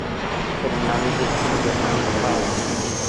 درناوی د ستونزو حل لپاره اړین دی.